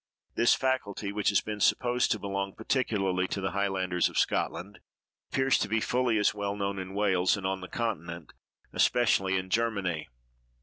This faculty, which has been supposed to belong peculiarly to the highlanders of Scotland, appears to be fully as well known in Wales and on the continent, especially in Germany.